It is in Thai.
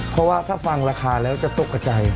เพราะว่าถ้าฟังราคาแล้วจะตกกระใจ